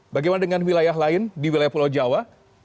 bagaimana dengan wilayah lain di wilayah pulau jawa